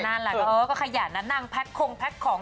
นั่นแหละก็ขยะนั่งพักคงพักของ